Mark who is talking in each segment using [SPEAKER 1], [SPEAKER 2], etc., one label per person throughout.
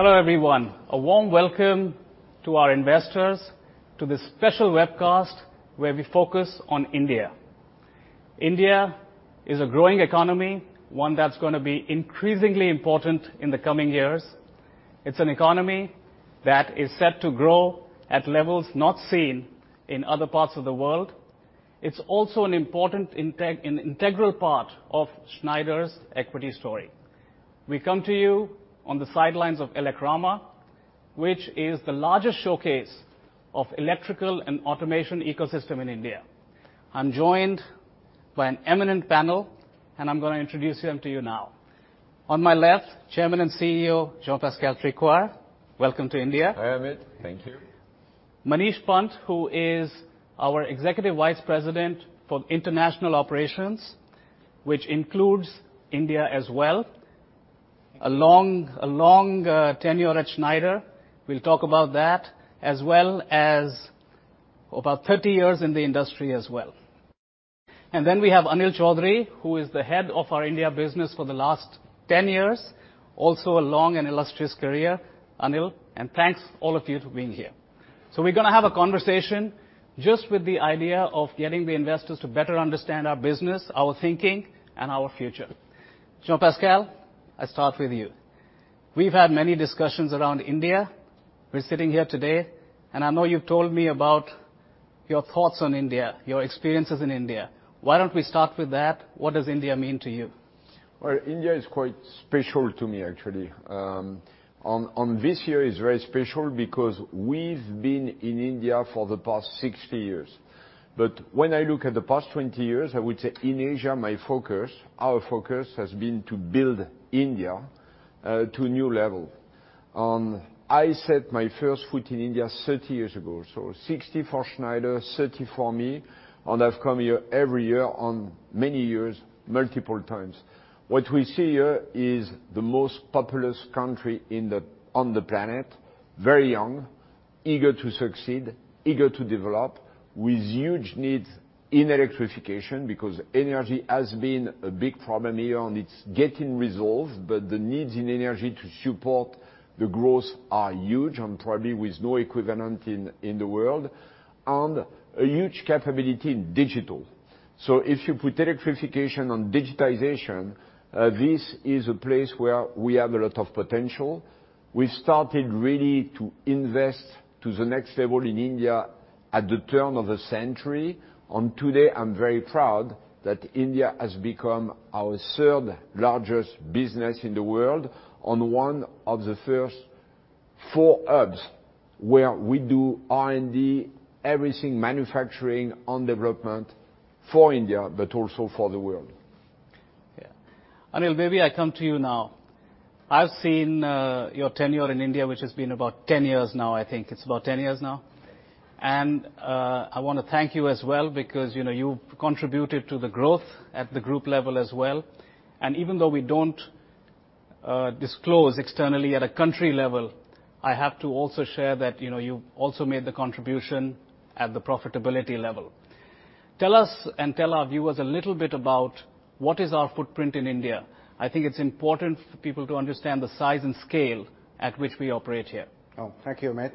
[SPEAKER 1] Hello, everyone. A warm welcome to our investors to this special webcast where we focus on India. India is a growing economy, one that's gonna be increasingly important in the coming years. It's an economy that is set to grow at levels not seen in other parts of the world. It's also an important integral part of Schneider's equity story. We come to you on the sidelines of ELECRAMA, which is the largest showcase of electrical and automation ecosystem in India. I'm joined by an eminent panel, and I'm gonna introduce them to you now. On my left, Chairman and CEO, Jean-Pascal Tricoire. Welcome to India.
[SPEAKER 2] Hi, Amit. Thank you.
[SPEAKER 1] Manish Pant, who is our Executive Vice President for International Operations, which includes India as well. A long, long tenure at Schneider. We'll talk about that, as well as about 30 years in the industry as well. We have Anil Chaudhry, who is the head of our India business for the last 10 years, also a long and illustrious career, Anil. Thanks all of you for being here. We're gonna have a conversation just with the idea of getting the investors to better understand our business, our thinking, and our future. Jean-Pascal, I start with you. We've had many discussions around India. We're sitting here today, and I know you've told me about your thoughts on India, your experiences in India. Why don't we start with that? What does India mean to you?
[SPEAKER 2] Well, India is quite special to me, actually. This year is very special because we've been in India for the past 60 years. When I look at the past 20 years, I would say in Asia, my focus, our focus has been to build India to a new level. I set my first foot in India 30 years ago, so 60 for Schneider, 30 for me, and I've come here every year on many years, multiple times. What we see here is the most populous country on the planet, very young, eager to succeed, eager to develop, with huge needs in electrification because energy has been a big problem here and it's getting resolved, but the needs in energy to support the growth are huge and probably with no equivalent in the world. A huge capability in digital. If you put electrification on digitization, this is a place where we have a lot of potential. We started really to invest to the next level in India at the turn of the century. Today, I'm very proud that India has become our third largest business in the world, and one of the first four hubs where we do R&D, everything manufacturing on development for India, but also for the world.
[SPEAKER 1] Yeah. Anil, maybe I come to you now. I've seen your tenure in India, which has been about 10 years now, I think. It's about 10 years now. I wanna thank you as well because, you know, you contributed to the growth at the group level as well. Even though we don't disclose externally at a country level, I have to also share that, you know, you also made the contribution at the profitability level. Tell us and tell our viewers a little bit about what is our footprint in India. I think it's important for people to understand the size and scale at which we operate here.
[SPEAKER 3] Oh, thank you, Amit.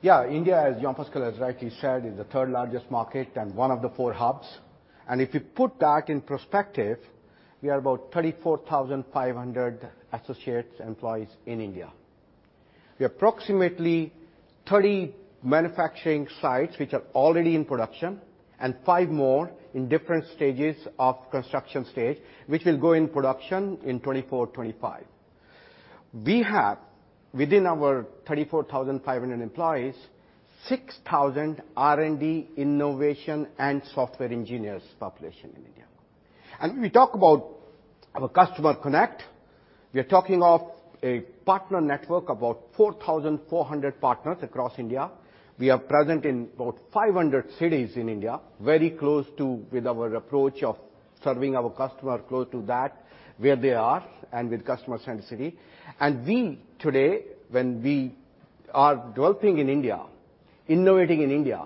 [SPEAKER 3] Yeah, India, as Jean-Pascal has rightly said, is the third largest market and one of the four hubs. If you put that in perspective, we are about 34,500 associates, employees in India. We have approximately 30 manufacturing sites which are already in production, and five more in different stages of construction stage, which will go in production in 2024, 2025. We have, within our 34,500 employees, 6,000 R&D, innovation and software engineers population in India. We talk about our customer connect. We are talking of a partner network, about 4,400 partners across India. We are present in about 500 cities in India, very close to with our approach of serving our customer close to that where they are and with customer sensitivity. We today, when we are developing in India, innovating in India,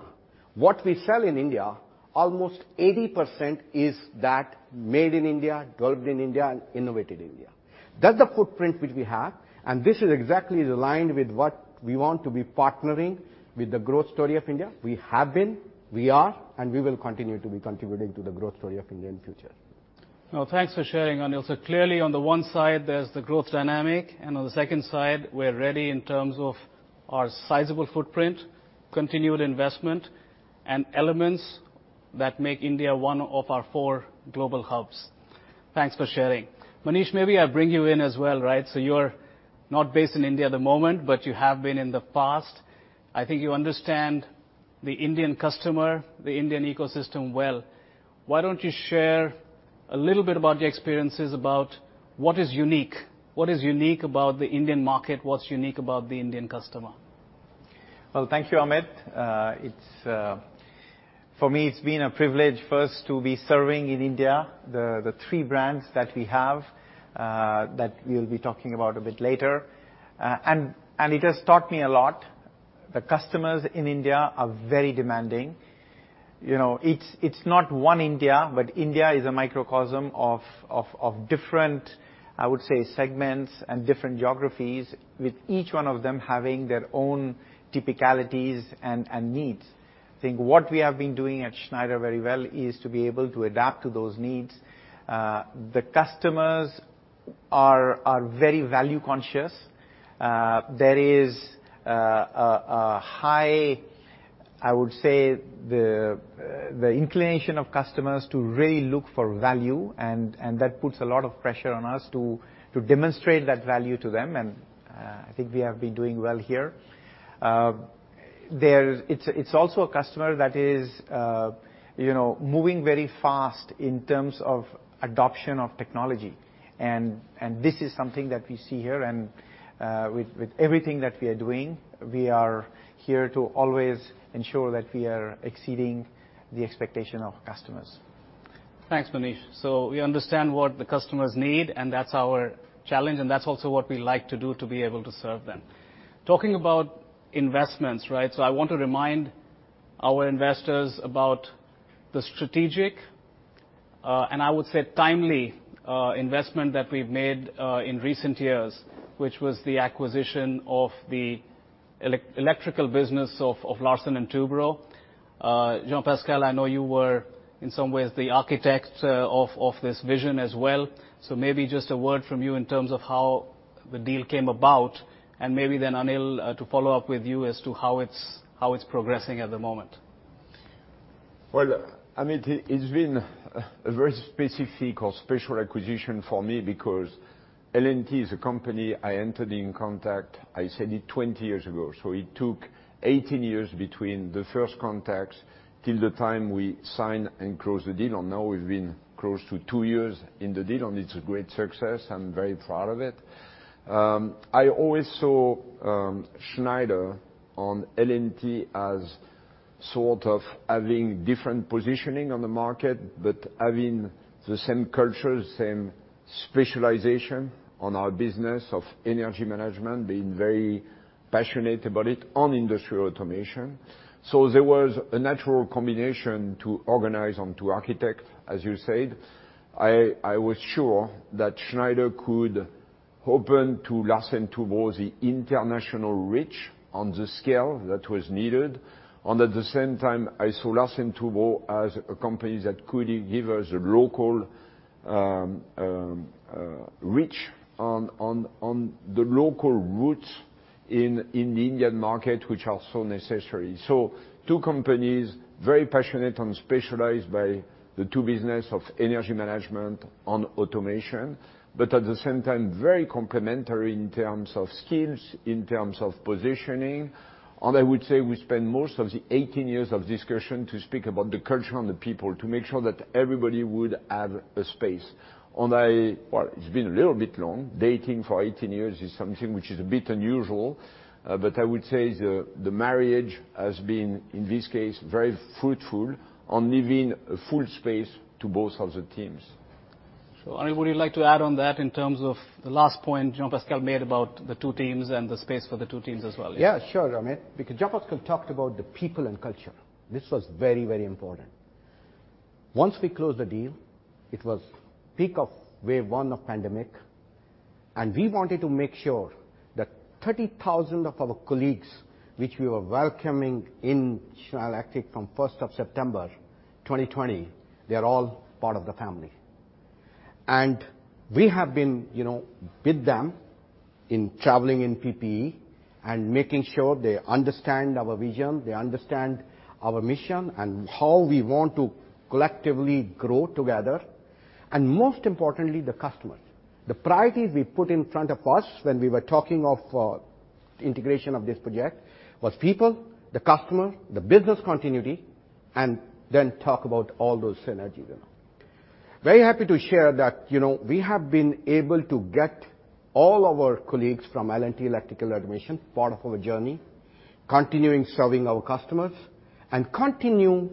[SPEAKER 3] what we sell in India, almost 80% is that made in India, developed in India and innovated India. That's the footprint which we have. This is exactly aligned with what we want to be partnering with the growth story of India. We have been, we are, and we will continue to be contributing to the growth story of India in future.
[SPEAKER 1] Well, thanks for sharing, Anil. Clearly on the one side there's the growth dynamic, and on the second side, we're ready in terms of our sizable footprint, continued investment and elements that make India one of our four global hubs. Thanks for sharing. Manish, maybe I bring you in as well, right? You're not based in India at the moment, but you have been in the past. I think you understand the Indian customer, the Indian ecosystem well. Why don't you share a little bit about your experiences about what is unique? What is unique about the Indian market? What's unique about the Indian customer?
[SPEAKER 4] Well, thank you, Amit. It's for me, it's been a privilege first to be serving in India the three brands that we have, that we'll be talking about a bit later. It has taught me a lot. The customers in India are very demanding. You know, it's not one India, but India is a microcosm of different, I would say, segments and different geographies, with each one of them having their own typicalities and needs. I think what we have been doing at Schneider very well is to be able to adapt to those needs. The customers are very value conscious. There is a high, I would say the inclination of customers to really look for value, and that puts a lot of pressure on us to demonstrate that value to them, and I think we have been doing well here. It's also a customer that is, you know, moving very fast in terms of adoption of technology. This is something that we see here and with everything that we are doing, we are here to always ensure that we are exceeding the expectation of customers.
[SPEAKER 1] Thanks, Manish. We understand what the customers need, and that's our challenge, and that's also what we like to do to be able to serve them. Talking about investments, right? I want to remind our investors about the strategic, and I would say timely, investment that we've made, in recent years, which was the acquisition of the electrical business of Larsen & Toubro. Jean-Pascal, I know you were, in some ways, the architect, of this vision as well. Maybe just a word from you in terms of how the deal came about, and maybe then, Anil, to follow up with you as to how it's progressing at the moment.
[SPEAKER 2] Amit, it's been a very specific or special acquisition for me because L&T is a company I entered in contact, I said it 20 years ago, it took 18 years between the first contacts till the time we sign and close the deal. Now we've been close to 2 years in the deal, and it's a great success. I'm very proud of it. I always saw Schneider on L&T as sort of having different positioning on the market, but having the same culture, same specialization on our business of energy management, being very passionate about it on industrial automation. There was a natural combination to organize and to architect, as you said. I was sure that Schneider could open to Larsen & Toubro the international reach on the scale that was needed. At the same time, I saw Larsen & Toubro as a company that could give us a local reach on the local routes in the Indian market, which are so necessary. Two companies, very passionate and specialized by the two business of energy management on automation, but at the same time, very complementary in terms of skills, in terms of positioning. I would say we spend most of the 18 years of discussion to speak about the culture and the people to make sure that everybody would have a space. I... Well, it's been a little bit long. Dating for 18 years is something which is a bit unusual, but I would say the marriage has been, in this case, very fruitful on leaving a full space to both of the teams.
[SPEAKER 1] Anil, would you like to add on that in terms of the last point Jean-Pascal made about the two teams and the space for the two teams as well?
[SPEAKER 3] Yeah, sure, Amit. Jean-Pascal talked about the people and culture. This was very, very important. Once we closed the deal, it was peak of wave one of pandemic, and we wanted to make sure that 30,000 of our colleagues, which we were welcoming in Schneider Electric from 1st of September 2020, they're all part of the family. We have been, you know, with them in traveling in PPE and making sure they understand our vision, they understand our mission, and how we want to collectively grow together. Most importantly, the customers. The priorities we put in front of us when we were talking of integration of this project was people, the customer, the business continuity, and then talk about all those synergies involved. Very happy to share that, you know, we have been able to get all our colleagues from L&T Electrical Automation part of our journey, continuing serving our customers and continue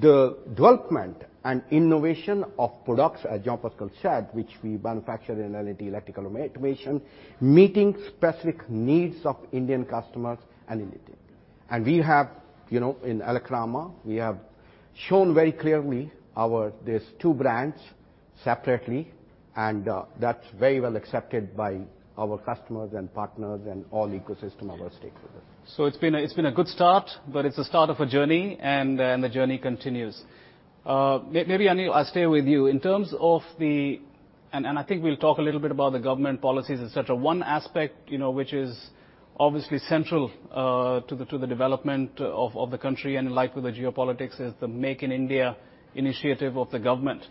[SPEAKER 3] the development and innovation of products, as Jean-Pascal said, which we manufacture in L&T Electrical Automation, meeting specific needs of Indian customers and L&T. We have, you know, in ELECRAMA, we have shown very clearly our these two brands separately, and that's very well accepted by our customers and partners and all ecosystem of our stakeholders.
[SPEAKER 1] It's been a, it's been a good start, but it's a start of a journey, and the journey continues. Maybe, Anil, I stay with you. In terms of the... I think we'll talk a little bit about the government policies, et cetera. One aspect, you know, which is obviously central, to the, to the development of the country and in line with the geopolitics is the Make in India initiative of the government.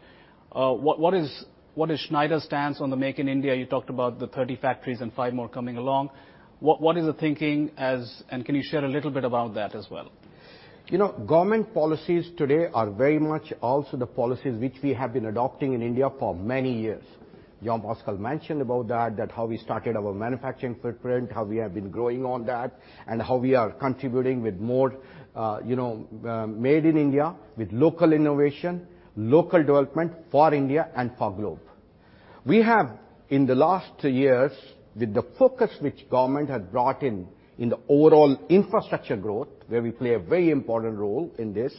[SPEAKER 1] What is Schneider's stance on the Make in India? You talked about the 30 factories and five more coming along. What is the thinking as, and can you share a little bit about that as well?
[SPEAKER 3] You know, government policies today are very much also the policies which we have been adopting in India for many years. Jean-Pascal mentioned about that how we started our manufacturing footprint, how we have been growing on that, and how we are contributing with more, you know, made in India with local innovation, local development for India and for globe. We have in the last years, with the focus which government had brought in the overall infrastructure growth, where we play a very important role in this,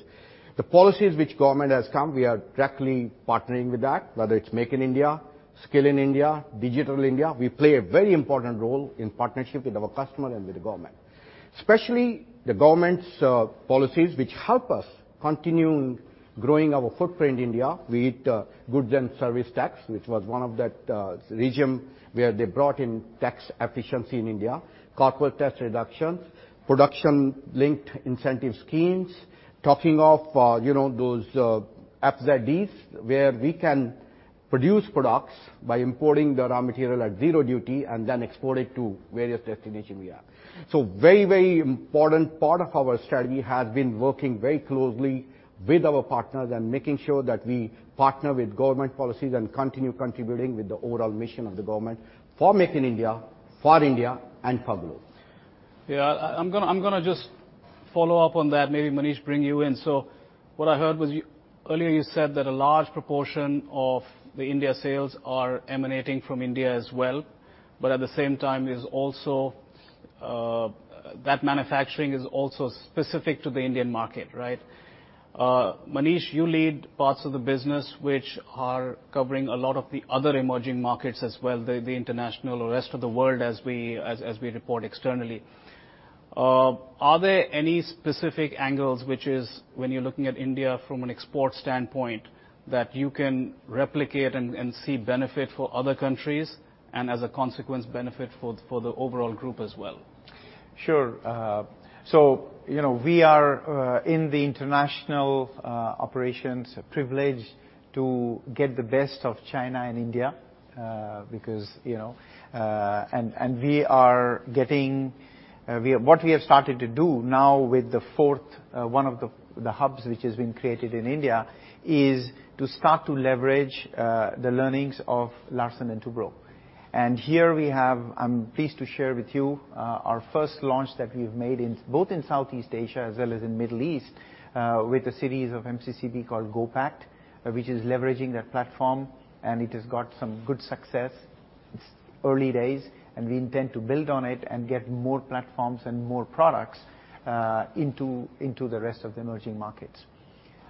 [SPEAKER 3] the policies which government has come, we are directly partnering with that, whether it's Make in India, Skill India, Digital India, we play a very important role in partnership with our customer and with the government. Especially the government's policies which help us continue growing our footprint India with Goods and Services Tax, which was one of that regime where they brought in tax efficiency in India, corporate tax reduction, Production-Linked Incentive schemes, talking of, you know, those FTZs, where we can produce products by importing the raw material at zero duty and then export it to various destination we have.
[SPEAKER 4] Very, very important part of our strategy has been working very closely with our partners and making sure that we partner with government policies and continue contributing with the overall mission of the government for Make in India, for India and for growth.
[SPEAKER 1] Yeah, I'm gonna just follow up on that, maybe Manish bring you in. What I heard was earlier you said that a large proportion of the India sales are emanating from India as well, but at the same time is also that manufacturing is also specific to the Indian market, right? Manish, you lead parts of the business which are covering a lot of the other emerging markets as well, the international or rest of the world as we report externally. Are there any specific angles which is, when you're looking at India from an export standpoint, that you can replicate and see benefit for other countries and as a consequence benefit for the overall group as well?
[SPEAKER 4] Sure. You know, we are in the international operations privileged to get the best of China and India, because, you know. We are getting what we have started to do now with the fourth, one of the hubs which has been created in India, is to start to leverage the learnings of Larsen & Toubro. Here we have, I'm pleased to share with you, our first launch that we've made in both in Southeast Asia as well as in Middle East, with a series of MCCB called GoPact, which is leveraging that platform, and it has got some good success. It's early days, and we intend to build on it and get more platforms and more products into the rest of the emerging markets.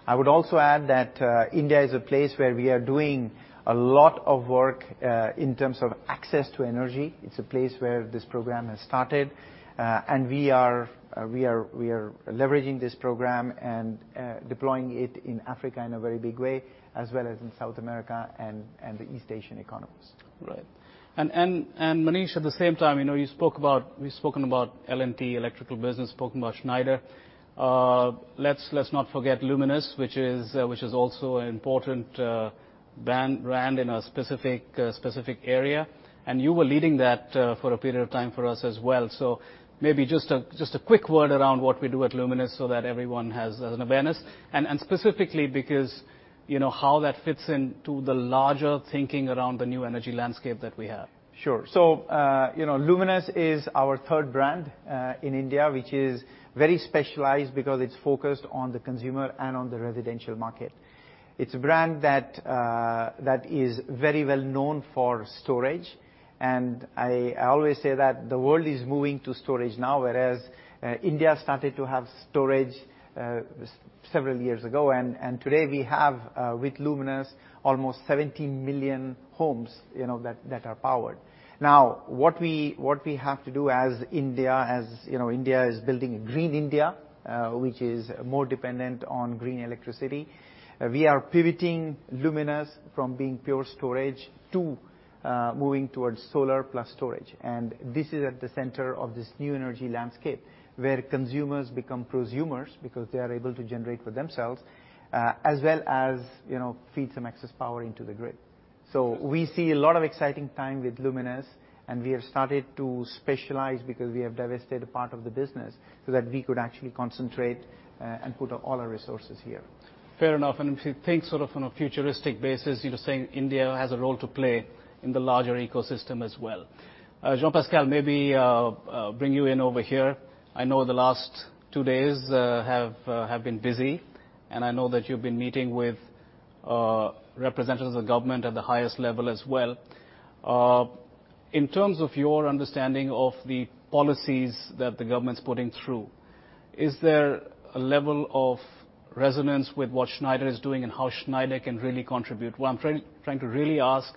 [SPEAKER 4] I would also add that, India is a place where we are doing a lot of work in terms of access to energy. It's a place where this program has started. We are leveraging this program and deploying it in Africa in a very big way, as well as in South America and the East Asian economies.
[SPEAKER 1] Right. Manish at the same time, you know, you spoke about, we've spoken about L&T electrical business, spoken about Schneider. Let's not forget Luminous, which is also an important brand in a specific area. You were leading that for a period of time for us as well. So maybe just a quick word around what we do at Luminous so that everyone has an awareness specifically because, you know, how that fits into the larger thinking around the new energy landscape that we have.
[SPEAKER 4] Sure. You know, Luminous is our third brand in India, which is very specialized because it's focused on the consumer and on the residential market. It's a brand that is very well known for storage, and I always say that the world is moving to storage now, whereas India started to have storage several years ago. Today we have with Luminous, almost 70 million homes, you know, that are powered. Now, what we have to do as India, as you know, India is building a Green India, which is more dependent on green electricity. We are pivoting Luminous from being pure storage to moving towards solar plus storage. This is at the center of this new energy landscape where consumers become prosumers because they are able to generate for themselves, as well as, you know, feed some excess power into the grid. We see a lot of exciting time with Luminous and we have started to specialize because we have divested a part of the business so that we could actually concentrate and put all our resources here.
[SPEAKER 1] Fair enough. If you think sort of on a futuristic basis, you're just saying India has a role to play in the larger ecosystem as well. Jean-Pascal, maybe I'll bring you in over here. I know the last two days have been busy, and I know that you've been meeting with representatives of government at the highest level as well. In terms of your understanding of the policies that the government's putting through, is there a level of resonance with what Schneider is doing and how Schneider can really contribute? What I'm trying to really ask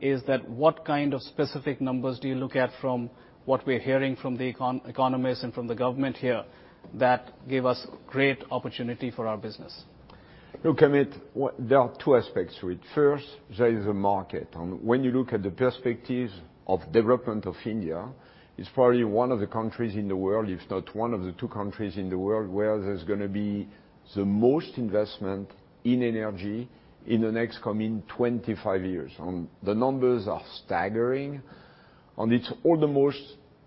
[SPEAKER 1] is what kind of specific numbers do you look at from what we're hearing from the economists and from the government here that give us great opportunity for our business?
[SPEAKER 2] Look, Amit, there are two aspects to it. First, there is a market. When you look at the perspectives of development of India, it's probably one of the countries in the world, if not one of the two countries in the world, where there's gonna be the most investment in energy in the next coming 25 years. The numbers are staggering. It's all the most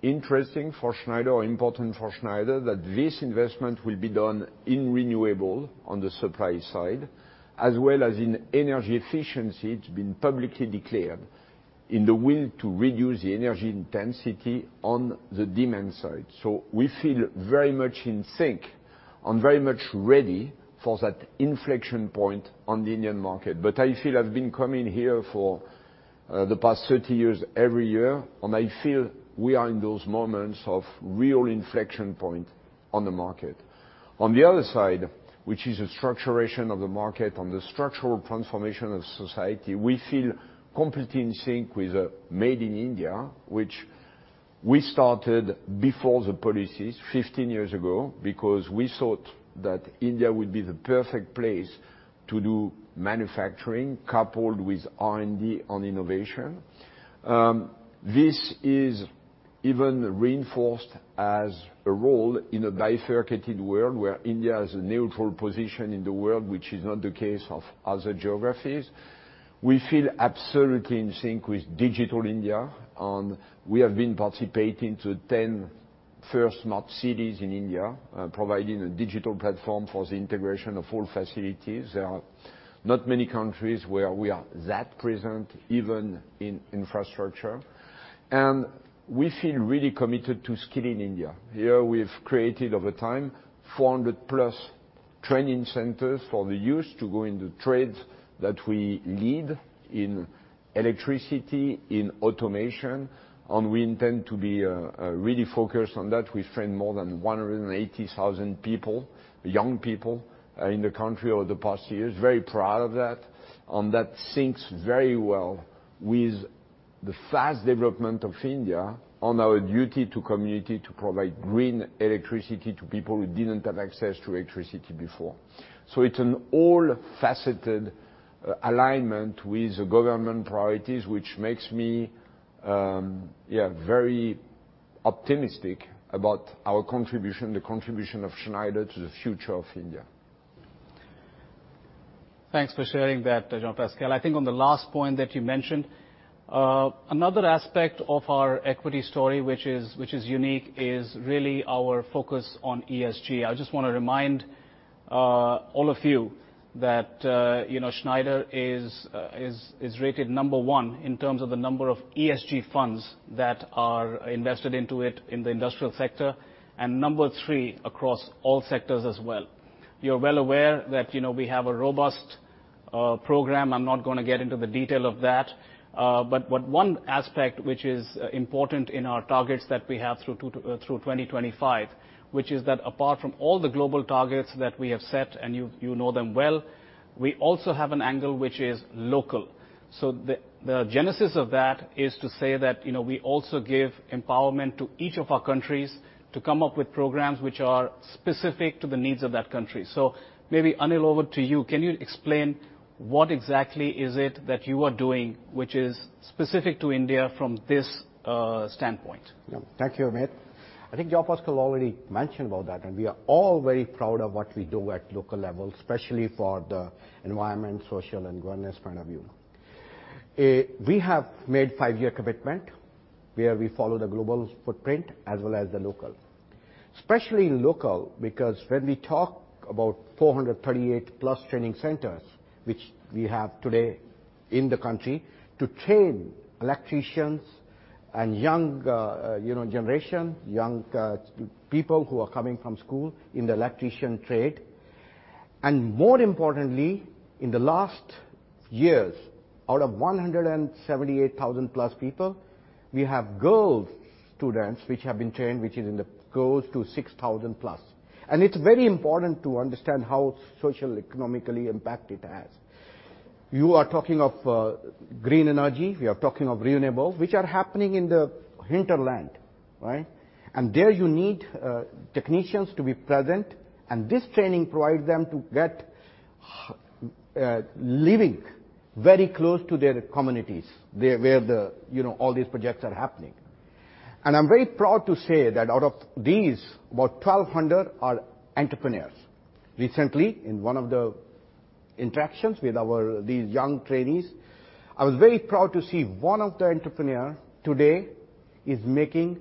[SPEAKER 2] interesting for Schneider or important for Schneider that this investment will be done in renewable on the supply side, as well as in energy efficiency. It's been publicly declared. In the will to reduce the energy intensity on the demand side. We feel very much in sync and very much ready for that inflection point on the Indian market. I feel I've been coming here for the past 30 years every year, and I feel we are in those moments of real inflection point on the market. On the other side, which is a structuration of the market, on the structural transformation of society, we feel completely in sync with Made in India, which we started before the policies 15 years ago, because we thought that India would be the perfect place to do manufacturing coupled with R&D on innovation. This is even reinforced as a role in a bifurcated world, where India has a neutral position in the world, which is not the case of other geographies. We feel absolutely in sync with Digital India, and we have been participating to 10 first smart cities in India, providing a digital platform for the integration of all facilities. There are not many countries where we are that present, even in infrastructure. We feel really committed to Skill India. Here we've created over time 400 plus training centers for the youth to go into trades that we lead in electricity, in automation, and we intend to be really focused on that. We train more than 180,000 people, young people in the country over the past years. Very proud of that, and that syncs very well with the fast development of India on our duty to community to provide green electricity to people who didn't have access to electricity before. It's an all faceted alignment with the government priorities, which makes me, yeah, very optimistic about our contribution, the contribution of Schneider to the future of India.
[SPEAKER 1] Thanks for sharing that, Jean-Pascal. I think on the last point that you mentioned, another aspect of our equity story, which is unique, is really our focus on ESG. I just wanna remind all of you that, you know, Schneider is rated number one in terms of the number of ESG funds that are invested into it in the industrial sector, and number three across all sectors as well. You're well aware that, you know, we have a robust program. I'm not gonna get into the detail of that. What one aspect which is important in our targets that we have through 2025, which is that apart from all the global targets that we have set, and you know them well, we also have an angle which is local. The genesis of that is to say that, you know, we also give empowerment to each of our countries to come up with programs which are specific to the needs of that country. Maybe, Anil, over to you. Can you explain what exactly is it that you are doing which is specific to India from this standpoint?
[SPEAKER 3] Yeah. Thank you, Amit. I think Jean-Pascal already mentioned about that, we are all very proud of what we do at local level, especially for the environment, social and governance point of view. We have made 5-year commitment, where we follow the global footprint as well as the local. Especially local, because when we talk about 438+ training centers, which we have today in the country to train electricians and young, you know, generation, young, people who are coming from school in the electrician trade. More importantly, in the last years, out of 178,000+ people, we have girl students which have been trained, which is in the... goes to 6,000+. It's very important to understand how socioeconomically impact it has. You are talking of green energy, we are talking of renewable, which are happening in the hinterland, right? There you need technicians to be present, and this training provides them to get living very close to their communities, where the, you know, all these projects are happening. I'm very proud to say that out of these, about 1,200 are entrepreneurs. Recently, in one of the interactions with our these young trainees, I was very proud to see one of the entrepreneur today is making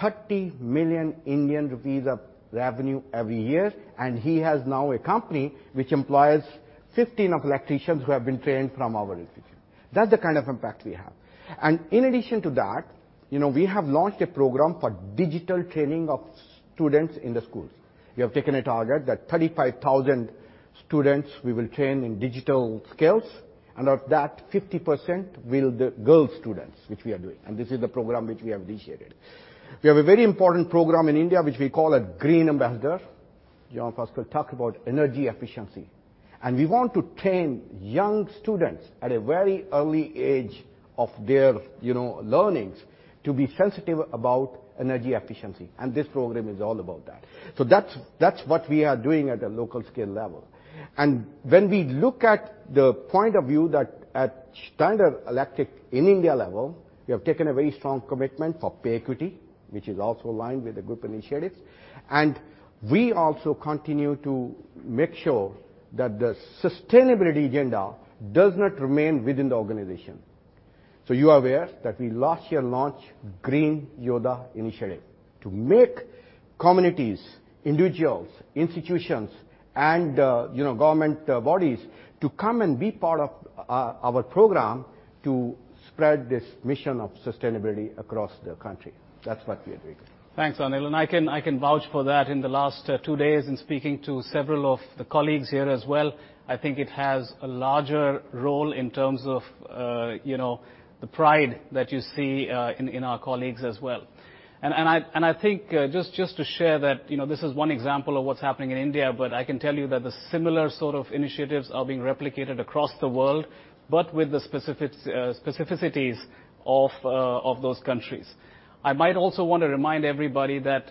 [SPEAKER 3] 30 million Indian rupees of revenue every year, and he has now a company which employs 15 of electricians who have been trained from our institution. That's the kind of impact we have. In addition to that, you know, we have launched a program for digital training of students in the schools. We have taken a target that 35,000 students we will train in digital skills, of that 50% will be girl students, which we are doing. This is the program which we have initiated. We have a very important program in India, which we call a Green Ambassador. Jean-Pascal talked about energy efficiency. We want to train young students at a very early age of their, you know, learnings to be sensitive about energy efficiency. This program is all about that. So that's what we are doing at a local scale level. When we look at the point of view that at Schneider Electric in India level, we have taken a very strong commitment for pay equity, which is also aligned with the group initiatives. We also continue to make sure that the sustainability agenda does not remain within the organization. You are aware that we last year launched Green Yodha initiative. To make communities, individuals, institutions, and, you know, government bodies to come and be part of our program to spread this mission of sustainability across the country. That's what we are doing.
[SPEAKER 1] Thanks, Anil. I can vouch for that. In the last two days in speaking to several of the colleagues here as well, I think it has a larger role in terms of, you know, the pride that you see in our colleagues as well. I think, just to share that, you know, this is one example of what's happening in India, but I can tell you that the similar sort of initiatives are being replicated across the world, but with the specifics, specificities of those countries. I might also want to remind everybody that,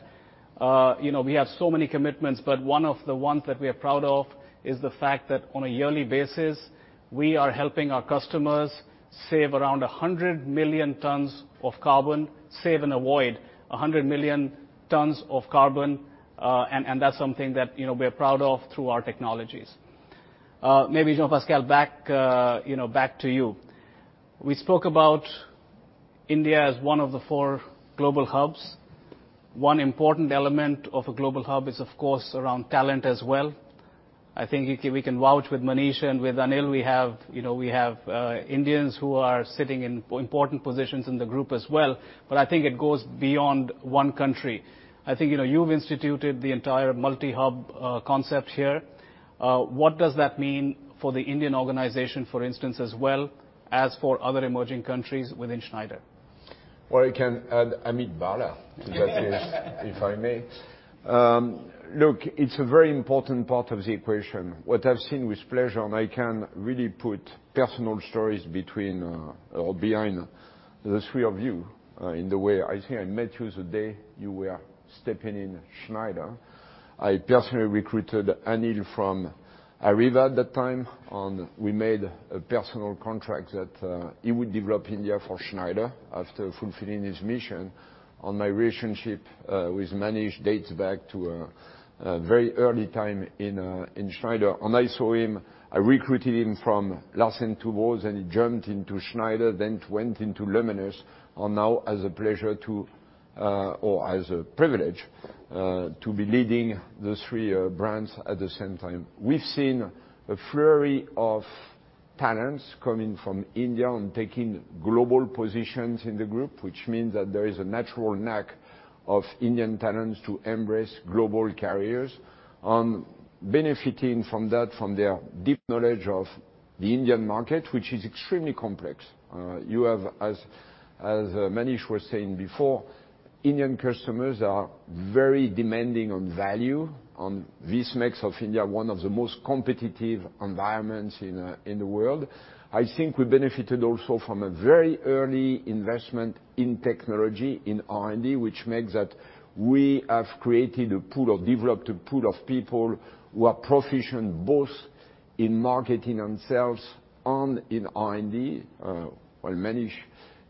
[SPEAKER 1] you know, we have so many commitments, but one of the ones that we are proud of is the fact that on a yearly basis, we are helping our customers save around 100 million tons of carbon, save and avoid 100 million tons of carbon. That's something that, you know, we're proud of through our technologies. Maybe Jean-Pascal, you know, back to you. We spoke about India as one of the four global hubs. One important element of a global hub is, of course, around talent as well. I think we can vouch with Manish and with Anil, we have, you know, we have Indians who are sitting in important positions in the group as well. I think it goes beyond one country. I think, you know, you've instituted the entire multi-hub concept here. What does that mean for the Indian organization, for instance, as well as for other emerging countries within Schneider?
[SPEAKER 2] Well, I can add Amit Bhalla to that list, if I may. Look, it's a very important part of the equation. What I've seen with pleasure, and I can really put personal stories between or behind the three of you in the way. I think I met you the day you were stepping in Schneider. I personally recruited Anil from Areva at that time, and we made a personal contract that he would develop India for Schneider after fulfilling his mission. My relationship with Manish dates back to a very early time in Schneider. I saw him, I recruited him from Larsen & Toubro, then he jumped into Schneider, then went into Luminous, and now has a pleasure to or has a privilege to be leading the three brands at the same time. We've seen a flurry of talents coming from India and taking global positions in the group, which means that there is a natural knack of Indian talents to embrace global careers, and benefiting from that from their deep knowledge of the Indian market, which is extremely complex. You have as Manish was saying before, Indian customers are very demanding on value and this makes of India one of the most competitive environments in the world. I think we benefited also from a very early investment in technology in R&D, which makes that we have developed a pool of people who are proficient both in marketing and sales and in R&D. Well, Manish,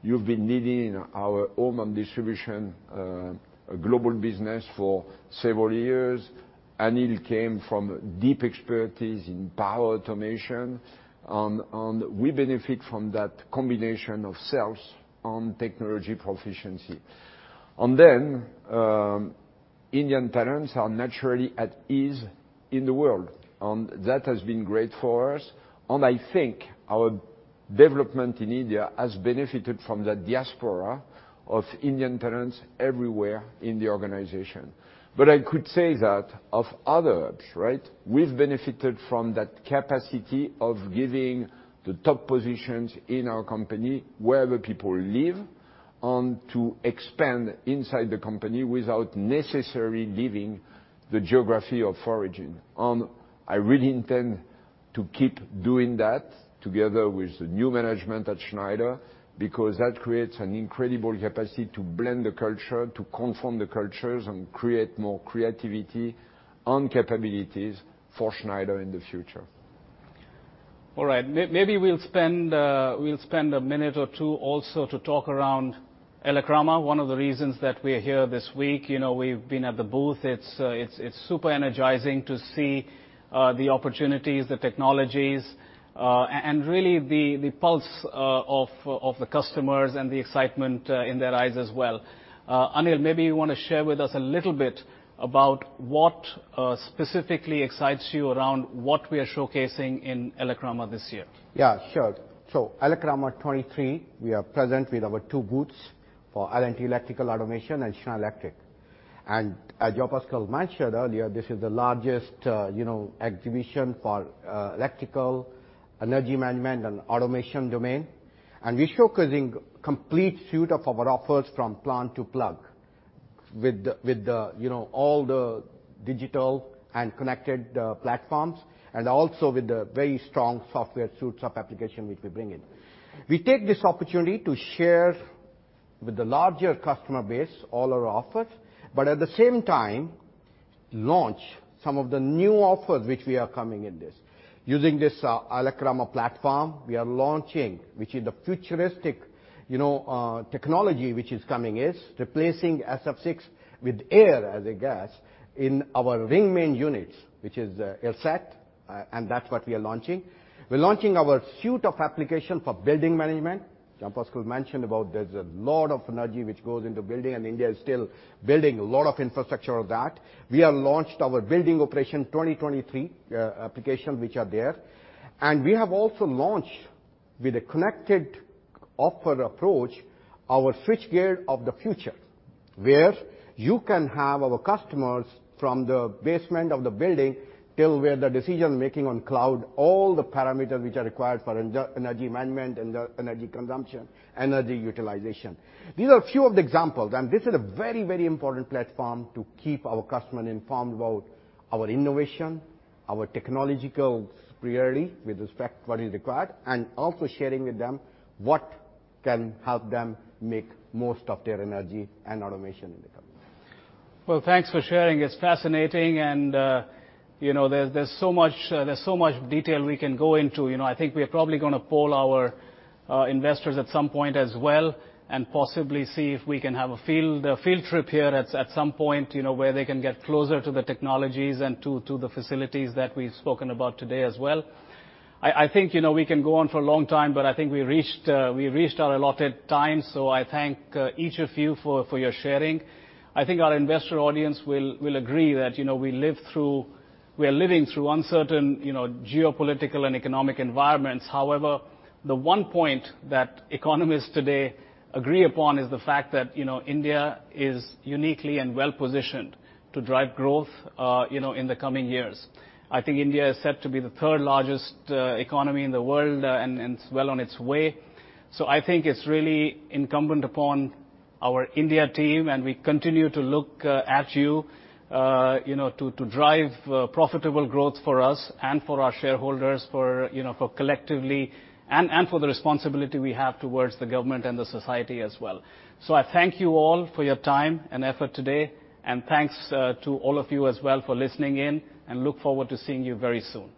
[SPEAKER 2] you've been leading our Home and Distribution global business for several years. Anil came from deep expertise in power automation. We benefit from that combination of sales and technology proficiency. Then, Indian talents are naturally at ease in the world. That has been great for us. I think our development in India has benefited from the diaspora of Indian talents everywhere in the organization. I could say that of other hubs, right? We've benefited from that capacity of giving the top positions in our company wherever people live and to expand inside the company without necessarily leaving the geography of origin. I really intend to keep doing that together with the new management at Schneider, because that creates an incredible capacity to blend the culture, to conform the cultures, and create more creativity and capabilities for Schneider in the future.
[SPEAKER 1] All right. Maybe we'll spend a minute or two also to talk around ELECRAMA, one of the reasons that we're here this week. You know, we've been at the booth. It's, it's super energizing to see the opportunities, the technologies, and really the pulse of the customers and the excitement in their eyes as well. Anil, maybe you wanna share with us a little bit about what specifically excites you around what we are showcasing in ELECRAMA this year.
[SPEAKER 3] Yeah, sure. ELECRAMA '23, we are present with our two booths for L&T Electrical & Automation and Schneider Electric. As Jean-Pascal mentioned earlier, this is the largest, you know, exhibition for electrical energy management and automation domain. We're showcasing complete suite of our offers from plant to plug with the, you know, all the digital and connected platforms, and also with the very strong software suites of application which we bring in. We take this opportunity to share with the larger customer base all our offers, but at the same time, launch some of the new offers which we are coming in this. Using this ELECRAMA platform, we are launching, which is the futuristic, you know, technology which is coming is replacing SF6 with air as a gas in our ring main units, which is RM AirSeT, and that's what we are launching. We're launching our suite of application for building management. Jean-Pascal mentioned about there's a lot of energy which goes into building, and India is still building a lot of infrastructure of that. We have launched our building operation 2023 application, which are there. We have also launched with a connected offer approach our switchgear of the future. Where you can have our customers from the basement of the building till where the decision-making on cloud, all the parameters which are required for energy management and the energy consumption, energy utilization. These are a few of the examples, and this is a very, very important platform to keep our customer informed about our innovation, our technological superiority with respect what is required, and also sharing with them what can help them make most of their energy and automation in the company.
[SPEAKER 1] Well, thanks for sharing. It's fascinating and, you know, there's so much detail we can go into. You know, I think we are probably gonna poll our investors at some point as well, and possibly see if we can have a field trip here at some point, you know, where they can get closer to the technologies and to the facilities that we've spoken about today as well. I think, you know, we can go on for a long time, but I think we reached our allotted time, so I thank each of you for your sharing. I think our investor audience will agree that, you know, we are living through uncertain, you know, geopolitical and economic environments. However, the one point that economists today agree upon is the fact that, you know, India is uniquely and well-positioned to drive growth, you know, in the coming years. I think India is set to be the third-largest economy in the world, and it's well on its way. I think it's really incumbent upon our India team, and we continue to look at you know, to drive profitable growth for us and for our shareholders, for, you know, collectively and for the responsibility we have towards the government and the society as well. I thank you all for your time and effort today. Thanks to all of you as well for listening in, and look forward to seeing you very soon.